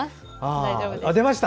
大丈夫です。